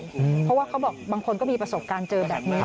เพราะว่าเขาบอกบางคนก็มีประสบการณ์เจอแบบนี้